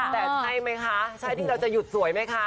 แต่ใช่มั้ยคะใช่จริงเราจะหยุดสวยมั้ยคะ